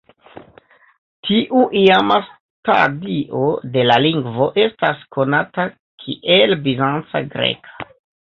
Tiu iama stadio de la lingvo estas konata kiel bizanca greka.